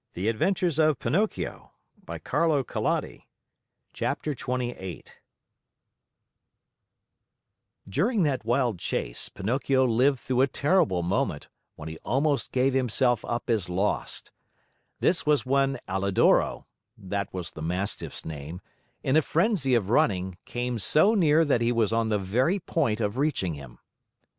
CHAPTER 28 Pinocchio runs the danger of being fried in a pan like a fish During that wild chase, Pinocchio lived through a terrible moment when he almost gave himself up as lost. This was when Alidoro (that was the Mastiff's name), in a frenzy of running, came so near that he was on the very point of reaching him.